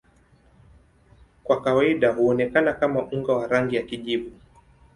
Kwa kawaida huonekana kama unga wa rangi ya kijivu.